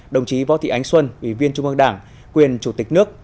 đồng chí võ thị ánh xuân ủy viên trung ương đảng quyền chủ tịch nước